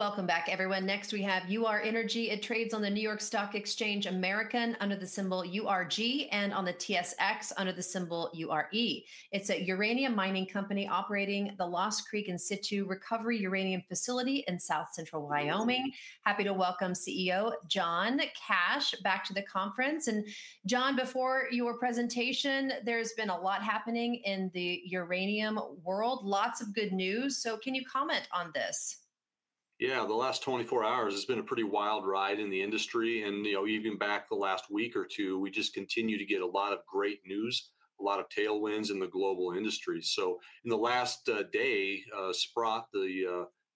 Welcome back, everyone. Next we have Ur-Energy. It trades on the New York Stock Exchange American under the symbol URG and on the TSX under the symbol URG. It's a uranium mining company operating the Lost Creek In-Situ Recovery uranium facility in South Central Wyoming. Happy to welcome CEO John Cash back to the conference. John, before your presentation, there's been a lot happening in the uranium world. Lots of good news. Can you comment on this? Yeah, the last 24 hours has been a pretty wild ride in the industry. Even back the last week or two, we just continue to get a lot of great news, a lot of tailwinds in the global industry. In the last day, Sprott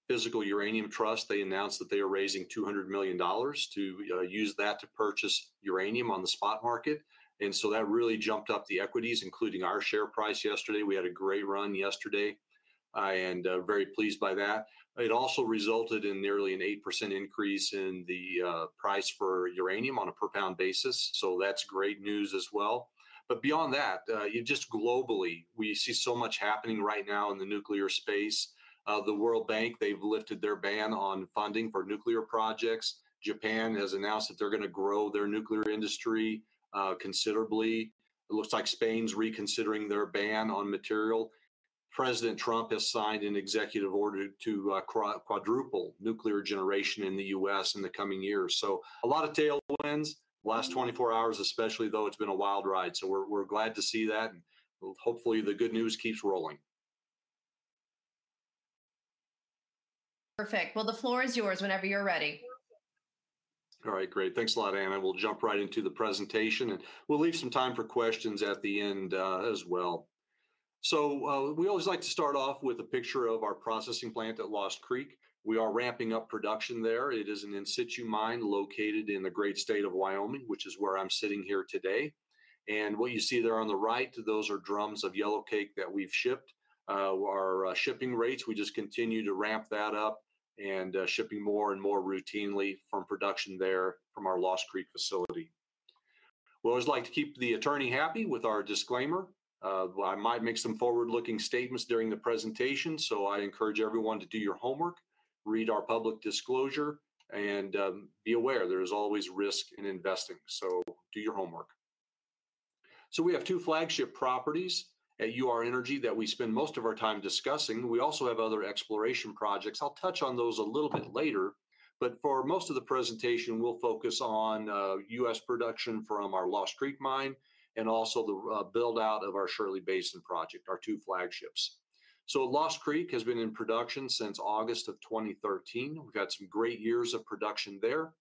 Physical Uranium Trust announced that they are raising US$200 million to use that to purchase uranium on the spot market. That really jumped up the equities, including our share price yesterday. We had a great run yesterday and are very pleased by that. It also resulted in nearly an 8% increase in the price for uranium on a per pound basis. That is great news as well. Beyond that, just globally, we see so much happening right now in the nuclear space. The World Bank, they have lifted their ban on funding for nuclear projects. Japan has announced that they're going to grow their nuclear industry considerably. It looks like Spain's reconsidering their ban on material. President Trump has signed an executive order to quadruple nuclear generation in the U.S. in the coming years. A lot of tailwinds last 24 hours, especially though it's been a wild ride. We're glad to see that and hopefully the good news keeps rolling. Perfect. The floor is yours whenever you're ready. All right, great, thanks a lot, Anna. We'll jump right into the presentation and we'll leave some time for questions at the end as well. We always like to start off with a picture of our processing plant at Lost Creek. We are ramping up production there. It is an in situ mine located in the great state of Wyoming, which is where I'm sitting here today. What you see there on the right, those are drums of yellowcake that we've shipped. Our shipping rates, we just continue to ramp that up and shipping more and more routinely from production there from our Lost Creek facility. We always like to keep the attorney happy with our disclaimer. I might make some forward-looking statements during the presentation. I encourage everyone to do your homework, read our public disclosure and be aware. There is always risk in investing. Do your homework. We have two flagship properties at Ur-Energy that we spend most of our time discussing. We also have other exploration projects. I'll touch on those a little bit later. For most of the presentation we'll focus on U.S. production from our Lost Creek mine and also the build out of our Shirley Basin project, our two flagships. Lost Creek has been in production since August of 2013. We've got some great years of production there.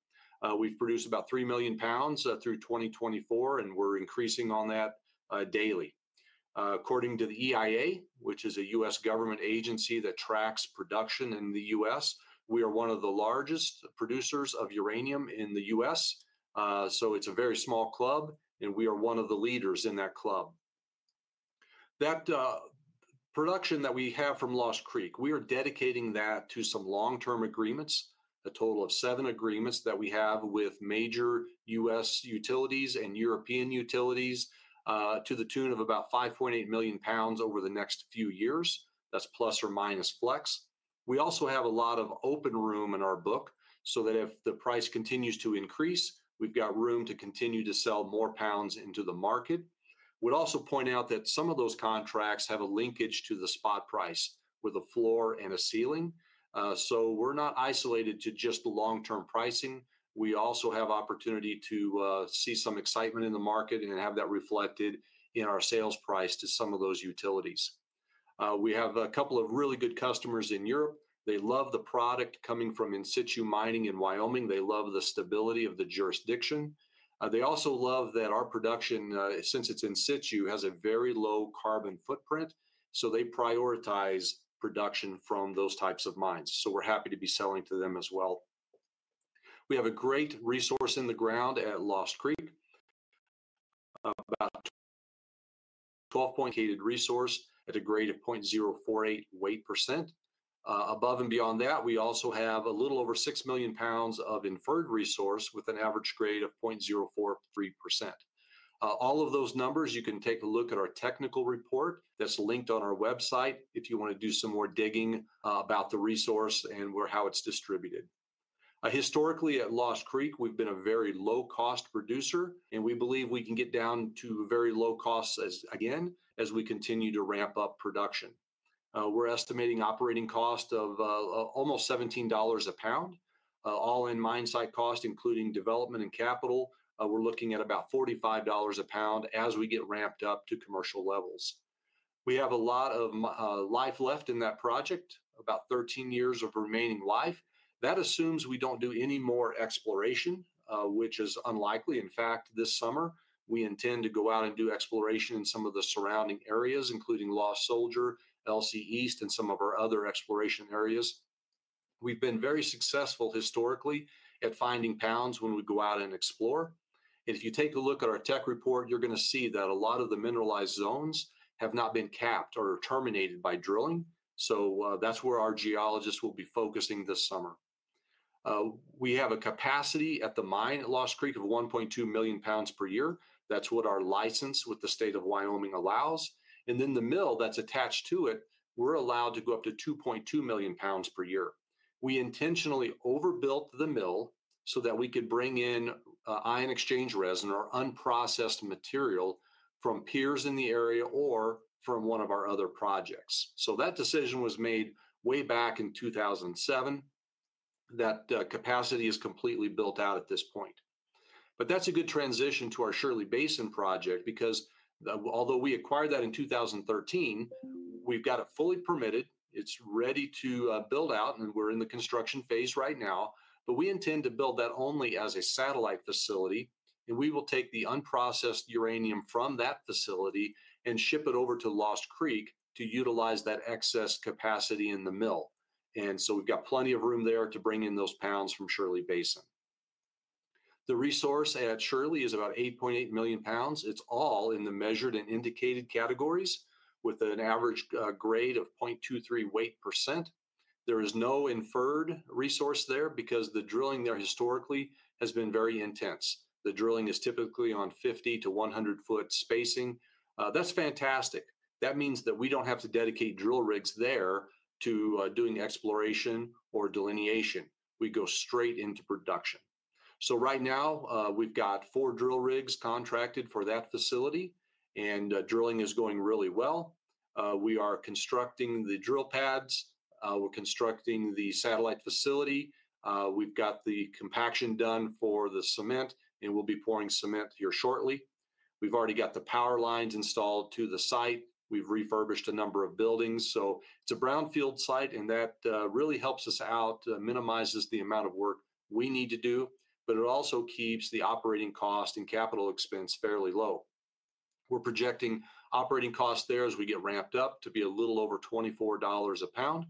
We've produced about 3 million lbs through 2024 and we're increasing on that daily. According to the EIA, which is a U.S. government agency that tracks production in the U.S., we are one of the largest producers of uranium in the U.S. It's a very small club and we are one of the leaders in that club. That production that we have from Lost Creek, we are dedicating that to some long term agreements, a total of seven agreements that we have with major U.S. utilities and European utilities to the tune of about 5.8 million lbs over the next few years. That's plus or minus flex. We also have a lot of open room in our book so that if the price continues to increase, we've got room to continue to sell more pounds into the market. Would also point out that some of those contracts have a linkage to the spot price with a floor and a ceiling. So we're not isolated to just the long term pricing. We also have opportunity to see some excitement in the market and have that reflected in our sales price to some of those utilities. We have a couple of really good customers in Europe. They love the product coming from in-situ mining in Wyoming. They love the stability of the jurisdiction. They also love that our production, since it's in-situ, has a very low carbon footprint. They prioritize production from those types of mines. We're happy to be selling to them as well. We have a great resource in the ground at Lost Creek. About 12.8 million lb resource at a grade of 0.048%. Above and beyond that, we also have a little over 6 million lb of inferred resource with an average grade of 0.043%. All of those numbers you can take a look at our technical report that's linked on our website if you want to do some more digging about the resource and how it's distributed. Historically at Lost Creek we've been a very low cost producer and we believe we can get down to very low cost. As again, as we continue to ramp up production, we're estimating operating cost of almost US$17 a pound, all in mine site cost. Including development and capital, we're looking at about US$45 per pound. As we get ramped up to commercial levels, we have a lot of life left in that project, about 13 years of remaining life. That assumes we don't do any more exploration, which is unlikely. In fact, this summer we intend to go out and do exploration in some of the surrounding areas, including Lost Soldier, LC East and some of our other exploration areas. We've been very successful historically at finding pounds when we go out and explore. If you take a look at our tech report, you're going to see that a lot of the mineralized zones have not been capped or terminated by drilling. That is where our geologists will be focusing this summer. We have a capacity at the mine at Lost Creek of 1.2 million pounds per year. That is what our license with the state of Wyoming allows. The mill that is attached to it, we are allowed to go up to 2.2 million pounds per year. We intentionally overbuilt the mill so that we could bring in ion exchange resin or unprocessed material from peers in the area or from one of our other projects. That decision was made way back in 2007. That capacity is completely built out at this point. That is a good transition to our Shirley Basin Project because although we acquired that in 2013, we have got it fully permitted. It is ready to build out, and we are in the construction phase right now, but we intend to build that only as a satellite facility. We will take the unprocessed uranium from that facility and ship it over to Lost Creek to utilize that excess capacity in the mill. We have got plenty of room there to bring in those pounds from Shirley Basin. The resource at Shirley is about 8.8 million lb. It is all in the measured and indicated categories with an average grade of 0.23%. There is no inferred resource there because the drilling there historically has been very intense. The drilling is typically on 50-100 foot spacing. That is fantastic. That means that we do not have to dedicate drill rigs there to doing exploration or, or delineation. We go straight into production. Right now we have four drill rigs contracted for that facility and drilling is going really well. We are constructing the drill pads, we are constructing the satellite facility. We have the compaction done for the cement, and we will be pouring cement here shortly. We have already got the power lines installed to the site. We have refurbished a number of buildings so it is a brownfield site and that really helps us out, minimizes the amount of work we need to do, but it also keeps the operating cost and capital expense fairly low. We are projecting operating costs there as we get ramped up to be a little over $24 a pound.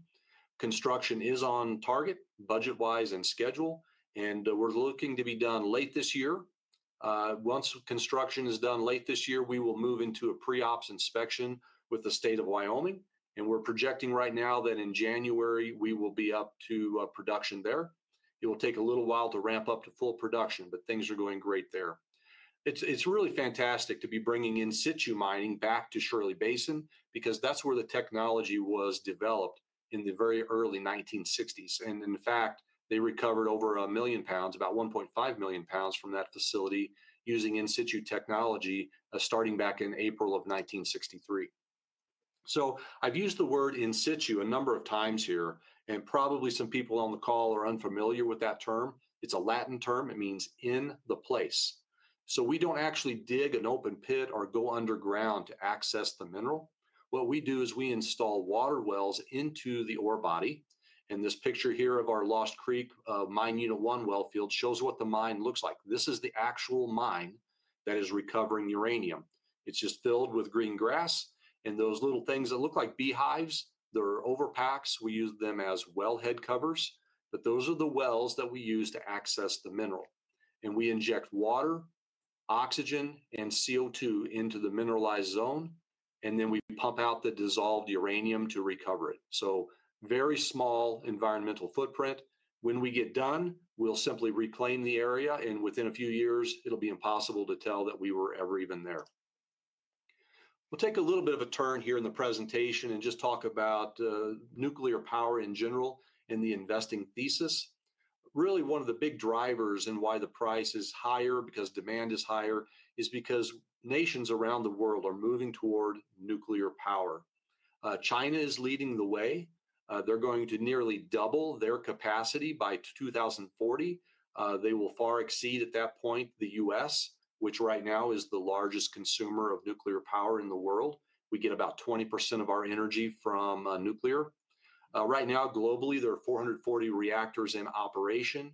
Construction is on target, budget wise and schedule. We are looking to be done late this year. Once construction is done late this year, we will move into a pre ops inspection with the state of Wyoming. We are projecting right now that in January we will be up to production. It will take a little while to ramp up to full production, but things are going great there. It is really fantastic to be bringing in situ mining back to Shirley Basin because that is where the technology was developed in the very early 1960s. In fact, they recovered over 1 million pounds, about 1.5 million pounds from that facility using in situ technology starting back in April of 1963. I have used the word in situ a number of times here and probably some people on the call are unfamiliar with that term. It is a Latin term, it means in the place. We do not actually dig an open pit or go underground to access the mineral. What we do is we install water wells into the ore body. This picture here of our Lost Creek mine, Unit 1 well field, shows what the mine looks like. This is the actual mine that is recovering uranium. It is just filled with green grass and those little things that look like beehives, they are overpacks. We use them as wellhead covers. Those are the wells that we use to access the mineral. We inject water, oxygen, and CO2 into the mineralized zone and then we pump out the dissolved uranium to recover it. Very small environmental footprint. When we get done, we will simply reclaim the area and within a few years it will be impossible to tell that we were ever even there. We'll take a little bit of a turn here in the presentation and just talk about nuclear power in general in the investing thesis. Really one of the big drivers and why the price is higher because demand is higher is because nations around the world are moving toward nuclear power. China is leading the way. They're going to nearly double their capacity by 2040. They will far exceed at that point the U.S., which right now is the largest consumer of nuclear power in the world. We get about 20% of oUr-Energy from nuclear right now. Globally there are 440 reactors in operation.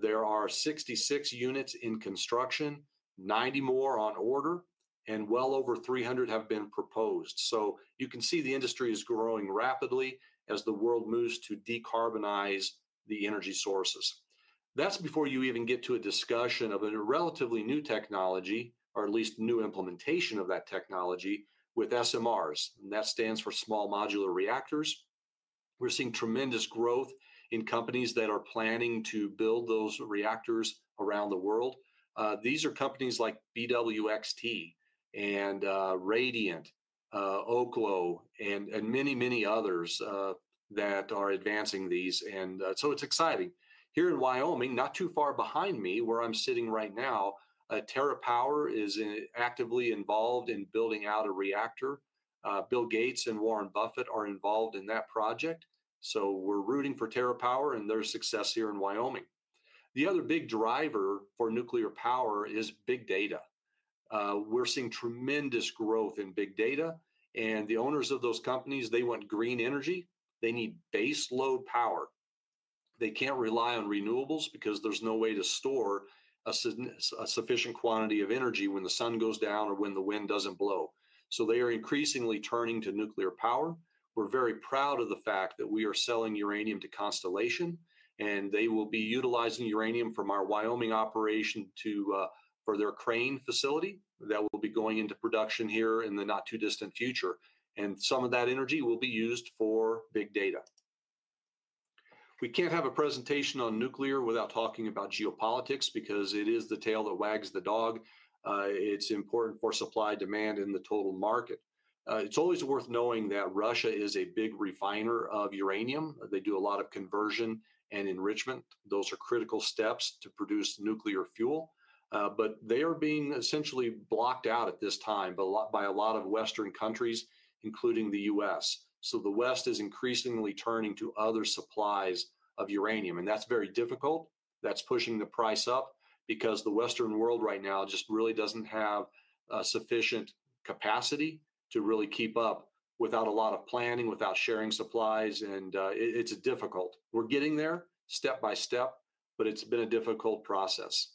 There are 66 units in construction, 90 more on order, and well over 300 have been proposed. You can see the industry is growing rapidly as the world moves to decarbonize the energy sources. That's before you even get to a discussion of a relatively new technology, or at least new implementation of that technology. With SMRs, that stands for Small Modular Reactors, we're seeing tremendous growth in companies that are planning to build those reactors around the world. These are companies like BWXT and Radiant, Oklo and many, many others that are advancing these. It is exciting. Here in Wyoming, not too far behind me where I'm sitting right now, TerraPower is actively involved in building out a reactor. Bill Gates and Warren Buffett are involved in that project. We are rooting for TerraPower and their success here in Wyoming. The other big driver for nuclear power is big data. We're seeing tremendous growth in big data. The owners of those companies, they want green energy. They need baseload power. They can't rely on renewables because there's no way to store a sufficient quantity of energy when the sun goes down or when the wind doesn't blow. They are increasingly turning to nuclear power. We're very proud of the fact that we are selling uranium to Constellation, and they will be utilizing uranium from our Wyoming operation for their crane facility that will be going into production here in the not too distant future. Some of that energy will be used for big data. We can't have a presentation on nuclear without talking about geopolitics because it is the tail that wags the dog. It's important for supply demand in the total market. It's always worth knowing that Russia is a big refiner of uranium. They do a lot of conversion and enrichment. Those are critical steps to produce nuclear fuel. They are being essentially blocked out at this time by a lot of Western countries, including the U.S., so the West is increasingly turning to other supplies of uranium. That is very difficult. That is pushing the price up because the Western world right now just really does not have sufficient capacity to really keep up without a lot of planning, without sharing supplies. It is difficult. We are getting there step by step, but it has been a difficult process.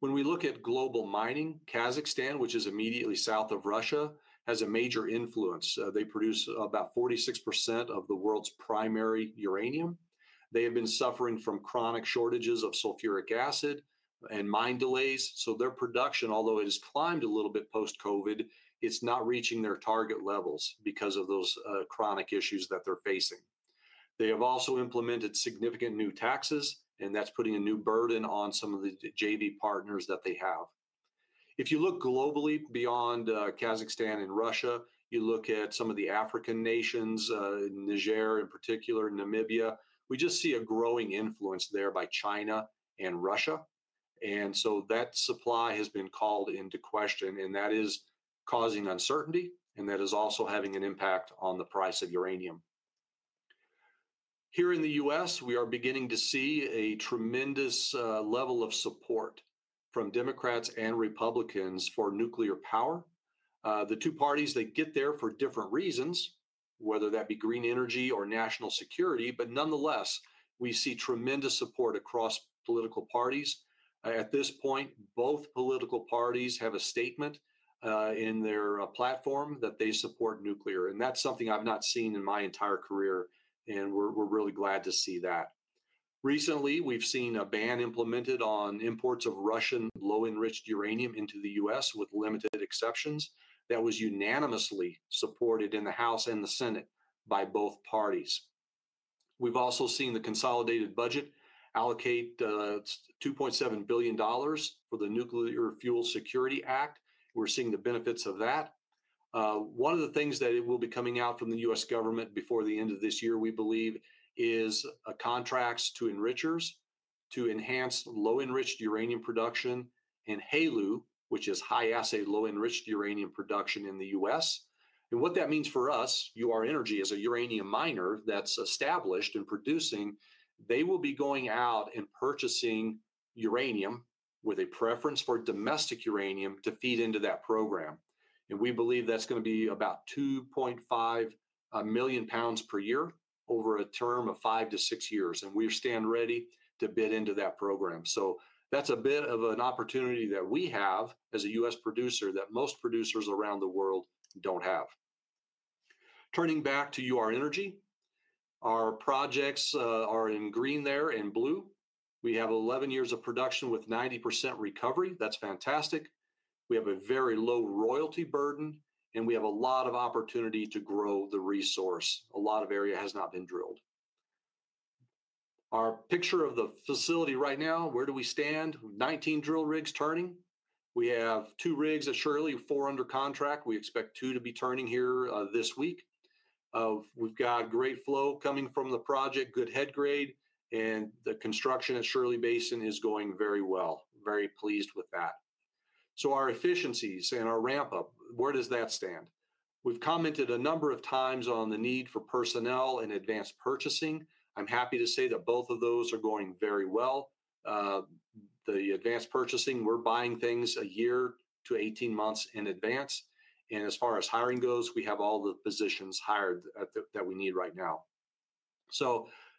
When we look at global mining, Kazakhstan, which is immediately south of Russia, has a major influence. They produce about 46% of the world's primary uranium. They have been suffering from chronic shortages of sulfuric acid and mine delays. Their production, although it has climbed a little bit post Covid, is not reaching their target levels because of those chronic issues that they are facing. They have also implemented significant new taxes and that is putting a new burden on some of the JV partners that they have. If you look globally beyond Kazakhstan and Russia, you look at some of the African nations, Niger in particular, Namibia, we just see a growing influence there by China and Russia. That supply has been called into question and that is causing uncertainty and that is also having an impact on the price of uranium. Here in the U.S. we are beginning to see a tremendous level of support from Democrats and Republicans for nuclear power, the two parties that get there for different reasons, whether that be green energy or national security. Nonetheless, we see tremendous support across political parties at this point. Both political parties have a statement in their platform that they support nuclear and that's something I've not seen in my entire career and we're really glad to see that. Recently we've seen a ban implemented on imports of Russian low enriched uranium into the U.S. with limited exceptions. That was unanimously supported in the House and the Senate by both parties. We've also seen the consolidated budget allocate $2.7 billion for the Nuclear Fuel Security Act. We're seeing the benefits of that. One of the things that will be coming out from the U.S. government before the end of this year we believe is contracts to enrichers to enhance low enriched uranium production and HALEU, which is high assay low enriched uranium production in the U.S., and what that means for us, Ur-Energy, as a uranium miner that's established and producing, they will be going out and purchasing uranium with a preference for domestic uranium to feed into that program. We believe that's going to be about 2.5 million lb per year over a term of five to six years. We stand ready to bid into that program. That's a bit of an opportunity that we have as a U.S. producer that most producers around the world don't have. Turning back to Ur-Energy, our projects are in green there and blue. We have 11 years of production with 90% recovery. That's fantastic. We have a very low royalty burden and we have a lot of opportunity to grow the resource. A lot of area has not been drilled. Our picture of the facility right now, where do we stand? 19 drill rigs turning. We have two rigs at Shirley, four under contract. We expect two to be turning here this week. We've got great flow coming from the project, good head grade. The construction at Shirley Basin is going very well. Very pleased with that. Our efficiencies and our ramp up, where does that stand? We've commented a number of times on the need for personnel and advanced purchasing. I'm happy to say that both of those are going very well. The advanced purchasing, we're buying things a year to 18 months in advance. As far as hiring goes, we have all the positions hired that we need right now.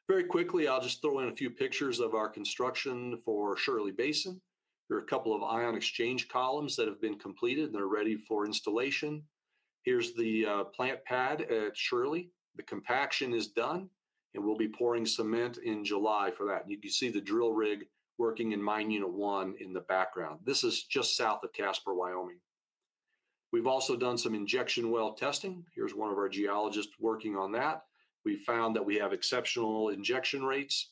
Very quickly, I'll just throw in a few pictures of our construction for Shirley Basin. There are a couple of ion exchange columns that have been completed and are ready for installation. Here is the plant pad at Shirley. The compaction is done and we will be pouring cement in July for that. You can see the drill rig working in Mine Unit 1 in the background. This is just south of Casper, Wyoming. We have also done some injection well testing. Here is one of our geologists working on that. We found that we have exceptional injection rates.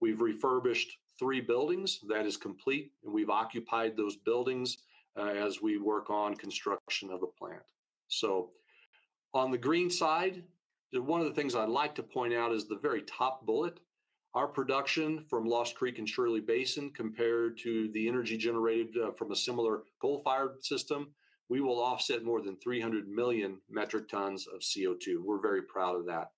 We have refurbished three buildings, that is complete, and we have occupied those buildings as we work on construction of the plant. On the green side, one of the things I'd like to point out is the very top bullet. Our production from Lost Creek and Shirley Basin compared to the energy generated from a similar coal fired system, we will offset more than 300 million metric tons of CO₂. We're very proud of that.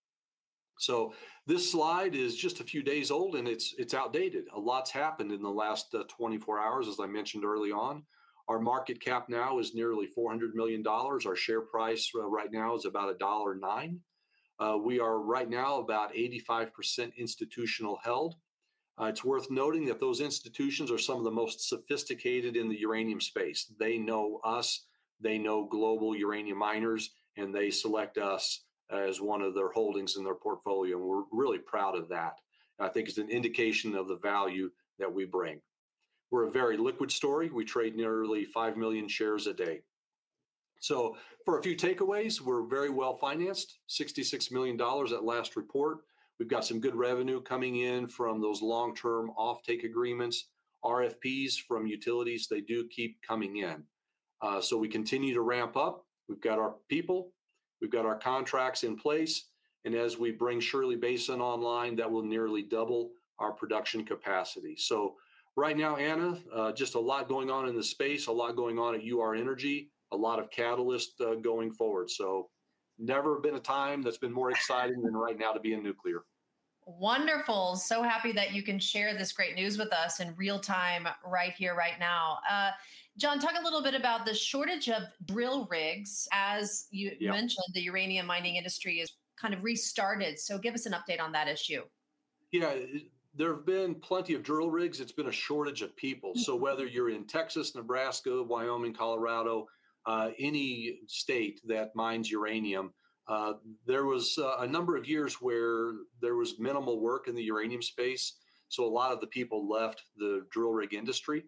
This slide is just a few days old and it's outdated. A lot's happened in the last 24 hours. As I mentioned early on, our market cap now is nearly US$400 million. Our share price right now is about US$1.09. We are right now about 85% institutional held. It's worth noting that those institutions are some of the most sophisticated in the uranium space. They know us, they know global uranium miners and, and they select us as one of their holdings in their portfolio. We're really proud of that. I think it's an indication of the value that we bring. We're a very liquid story. We trade nearly 5 million shares a day. For a few takeaways, we're very well financed. US$66 million at last report. We've got some good revenue coming in from those long term offtake agreements, RFPs from utilities, they do keep coming in. We continue to ramp up. We've got our people, we've got our contracts in place and as we bring Shirley Basin online, that will nearly double our production capacity. Right now, Anna, just a lot going on in the space, a lot going on at Ur-Energy, a lot of catalysts going forward. Never been a time that's been more exciting than right now to be in nuclear. Wonderful. So happy that you can share this great news with us in real time right here, right now. John, talk a little bit about the shortage of drill rigs. As you mentioned, the uranium mining industry has kind of restarted. Give us an update on that issue. Yeah, there have been plenty of drill rigs. It's been a shortage of people. Whether you're in Texas, Nebraska, Wyoming, Colorado, any state that mines uranium, there was a number of years where there was minimal work in the uranium space. A lot of the people left the drill rig industry.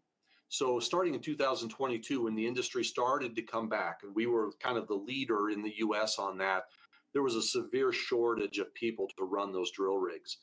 Starting in 2022, when the industry started to come back and we were kind of the leader in the U.S. on that, there was a severe shortage of people to run those drill rigs.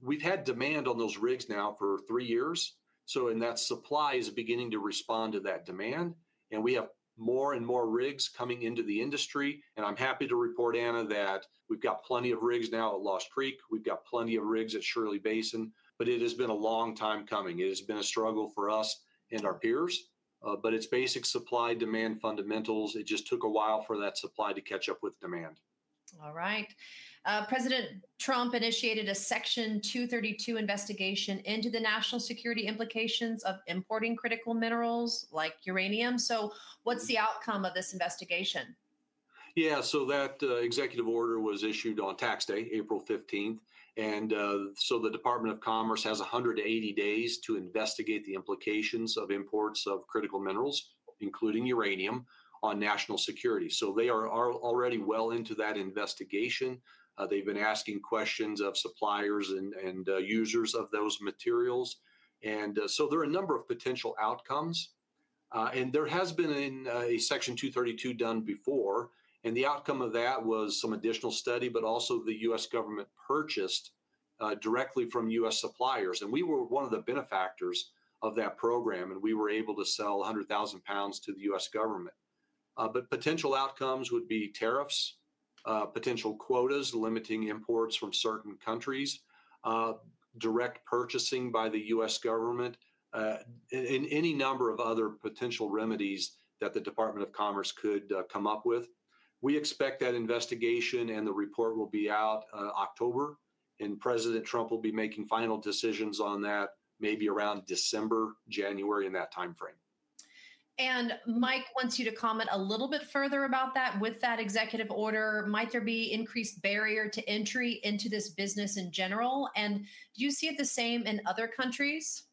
We've had demand on those rigs now for three years. That supply is beginning to respond to that demand. We have more and more rigs coming into the industry. I'm happy to report, Anna, that we've got plenty of rigs now at Lost Creek. We've got plenty of rigs at Shirley Basin. It has been a long time coming. It has been a struggle for us and our peers. It is basic supply, demand fundamentals. It just took a while for that supply to catch up with demand. All right, President Trump initiated a Section 232 investigation into the national security implications of importing critical minerals like uranium. What's the outcome of this investigation? Yeah, so that executive order was issued on tax day, April 15th. The Department of Commerce has 180 days to investigate the implications of imports of critical minerals, including uranium, on national security. They are already well into that investigation. They've been asking questions of suppliers and users of those materials. There are a number of potential outcomes, and there has been a Section 232 done before, and the outcome of that was some additional study. Also, the U.S. government purchased directly from U.S. suppliers, and we were one of the benefactors of that program, and we were able to sell 100,000 lb to the U.S. government. Potential outcomes would be tariffs, potential quotas, limiting imports from certain countries, direct purchasing by the U.S. government, and any number of other potential remedies that the Department of Commerce could come up with. We expect that investigation and the report will be out October, and President Trump will be making final decisions on that, maybe around December, January in that timeframe. Mike wants you to comment a little bit further about that. With that executive order, might there be increased barrier to entry into this business in general? Do you see it the same in other countries?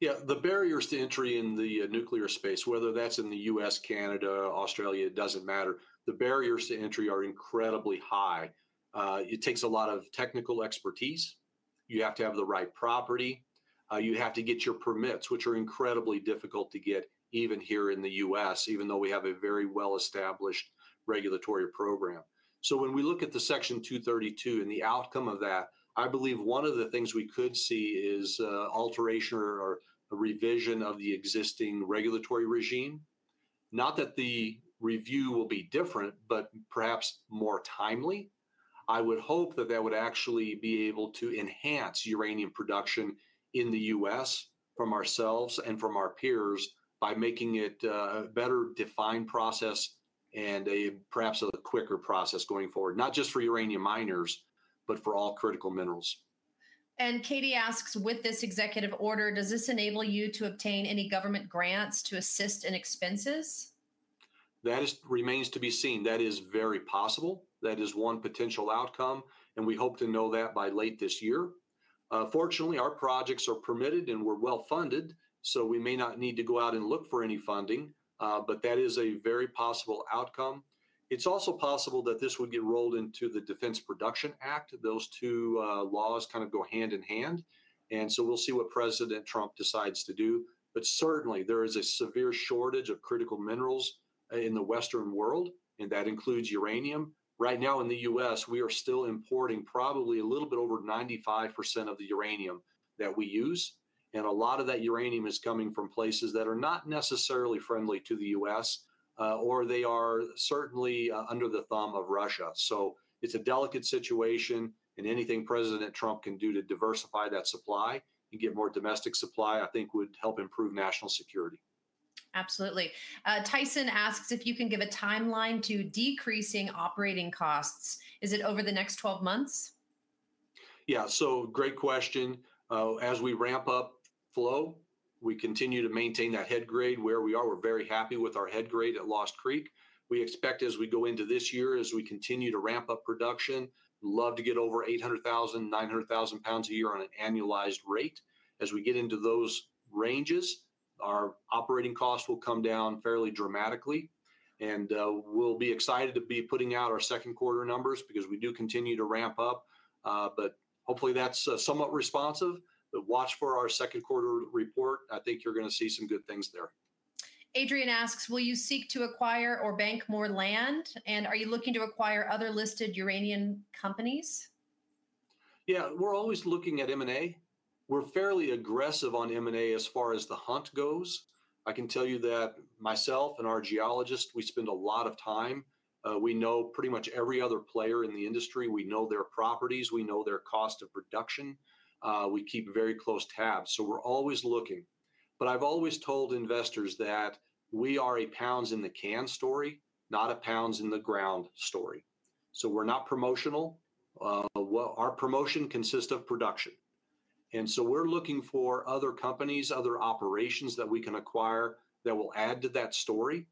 Yeah, the barriers to entry in the nuclear space, whether that's in the U.S., Canada, Australia, it doesn't matter. The barriers to entry are incredibly high. It takes a lot of technical expertise. You have to have the right property, you have to get your permits, which are incredibly difficult to get, even here in the U.S. Even though we have a very well established regulatory program. When we look at the Section 232 and the outcome of that, I believe one of the things we could see is alteration or a revision of the existing regulatory regime. Not that the review will be different, but perhaps more timely. I would hope that that would actually be able to enhance uranium production in the U.S. from ourselves and from our peers by making it a better defined process and perhaps a quicker process going forward, not just for uranium miners, but for all critical minerals. Katie asks with this executive order, does this enable you to obtain any government grants to assist in expenses? That remains to be seen. That is very possible. That is one potential outcome, and we hope to know that by late this year. Fortunately, our projects are permitted and we're well funded, so we may not need to go out and look for any funding. That is a very possible outcome. It's also possible that this would get rolled into the Defense Production Act. Those two laws kind of go hand in hand, and we will see what President Trump decides to do. Certainly there is a severe shortage of critical minerals in the Western world, and that includes uranium. Right now in the U.S. we are still importing probably a little bit over 95% of the uranium that we use. A lot of that uranium is coming from places that are not necessarily friendly to the U.S. or they are certainly under the thumb of Russia. It is a delicate situation. Anything President Trump can do to diversify that supply and get more domestic supply, I think would help improve national security. Absolutely. Tyson asks if you can give a timeline to decreasing operating costs. Is it over the next 12 months? Yeah. Great question. As we ramp up flow, we continue to maintain that head grade where we are. We're very happy with our head grade at Lost Creek. We expect as we go into this year, as we continue to ramp up production, love to get over 800,000-900,000 lb a year on an annualized rate. As we get into those ranges, our operating costs will come down fairly dramatically, and we'll be excited to be putting out our second quarter numbers, because we do continue to ramp up, hopefully that's somewhat responsive. Watch for our second quarter report. I think you're going to see some good things there. Adrian asks, will you seek to acquire or bank more land and are you looking to acquire other listed uranium companies? Yeah, we're always looking at M&A. We're fairly aggressive on M&A as far as the hunt goes, I can tell you that myself and our geologists, we spend a lot of time, we know pretty much every other player in the industry. We know their properties, we know their cost of production. We keep very close tabs, so we're always looking. I've always told investors that we are a pounds in the can story, not a pounds in the ground story. We're not promotional. Our promotion consists of production. We're looking for other companies, other operations that we can acquire that will add to that story.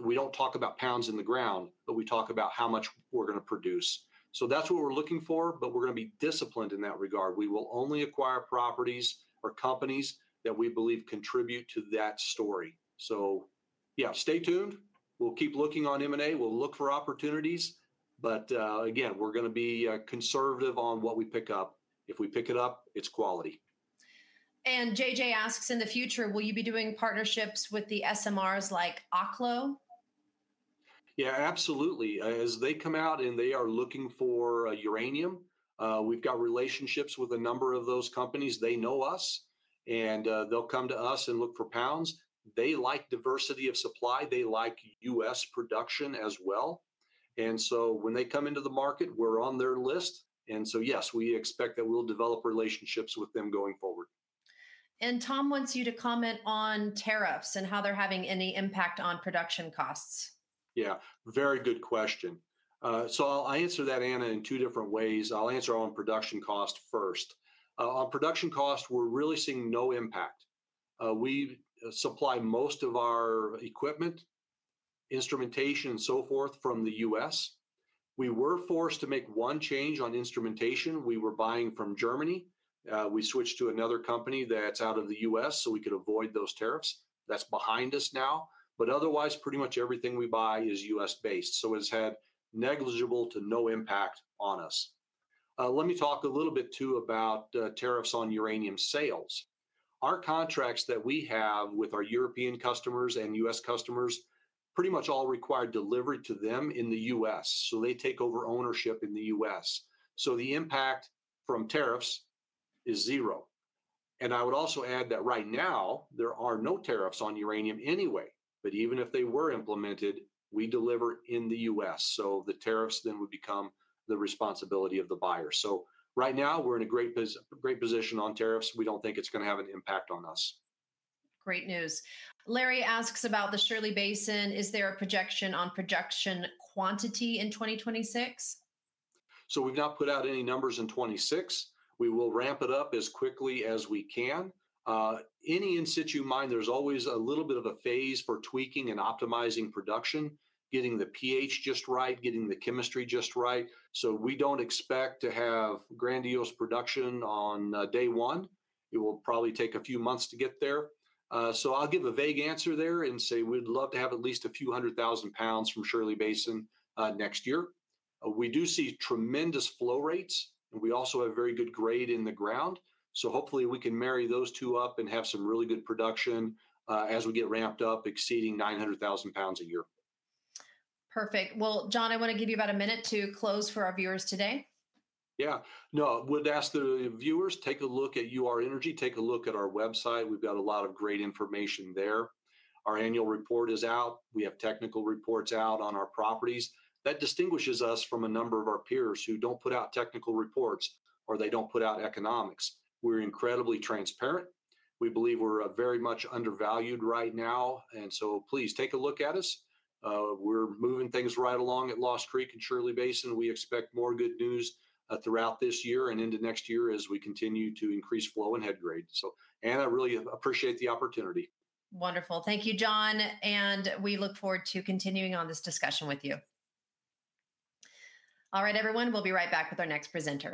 We do not talk about pounds in the ground, but we talk about how much we're going to produce. That's what we're looking for. We're going to be disciplined in that regard. We will only acquire properties or companies that we believe contribute to that story. So, yeah, stay tuned. We will keep looking on M&A. we will look for opportunities, but again, we are going to be conservative on what we pick up. If we pick it up, it is quality. JJ asks, in the future, will you be doing partnerships with the SMRs like Oklo? Yeah, absolutely. As they come out and they are looking for uranium, we've got relationships with a number of those companies. They know us and they'll come to us and look for pounds. They like diversity of supply. They like US production as well. When they come into the market, we're on their list. Yes, we expect that we'll develop relationships with them going forward. Tom wants you to comment on tariffs and how they're having any impact on production costs. Yeah, very good question. I'll answer that, Anna, in two different ways. I'll answer on production cost. First, on production costs, we're really seeing no impact. We supply most of our equipment, instrumentation and so forth from the U.S. We were forced to make one change on instrumentation. We were buying from Germany. We switched to another company that's out of the U.S. so we could avoid those tariffs. That's behind us now. Otherwise, pretty much everything we buy is U.S. based, so it's had negligible to no impact on us. Let me talk a little bit too, about tariffs on uranium sales. Our contracts that we have with our European customers and U.S. customers pretty much all require delivery to them in the U.S. so they take over ownership in the U.S. so the impact from tariffs is zero. I would also add that right now there are no tariffs on uranium anyway. Even if they were implemented, we deliver in the U.S. so the tariffs then would become the responsibility of the buyer. Right now we are in a great position on tariffs. We do not think it is going to have an impact on us. Great news. Larry asks about the Shirley Basin. Is there a projection on production quantity in 2026? We have not put out any numbers in 2026. We will ramp it up as quickly as we can. Any in-situ mine, there is always a little bit of a phase for tweaking and optimizing production, getting the pH just right, getting the chemistry just right. We do not expect to have grandiose production on day one. It will probably take a few months to get there. I will give a vague answer there and say we would love to have at least a few hundred thousand pounds from Shirley Basin next year. We do see tremendous flow rates and we also have very good grade in the ground. Hopefully we can marry those two up and have some really good production as we get ramped up, exceeding 900,000 lb a year. Perfect. John, I want to give you about a minute to close for our viewers today. Yeah, no, would ask the viewers. Take a look at Ur-Energy. Take a look at our website. We've got a lot of great information there. Our annual report is out. We have technical reports out on our properties. That distinguishes us from a number of our peers who do not put out technical reports or they do not put out economics. We're incredibly transparent. We believe we're very much undervalued right now. Please take a look at us. We're moving things right along at Lost Creek and Shirley Basin. We expect more good news throughout this year and into next year as we continue to increase flow and head grade. I really appreciate the opportunity. Wonderful. Thank you, John. We look forward to continuing on this discussion with you. All right, everyone, we'll be right back with our next presenter.